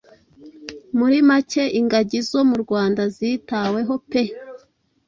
Muri make ingagi zo mu Rwanda zitaweho pe!